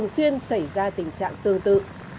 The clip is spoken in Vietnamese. xuyên xảy ra tình trạng tương tự